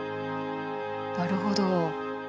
なるほど。